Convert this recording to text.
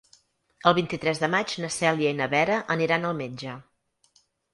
El vint-i-tres de maig na Cèlia i na Vera aniran al metge.